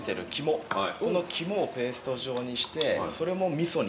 この肝をペースト状にしてそれも味噌に練り込んでます。